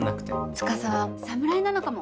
司は侍なのかも。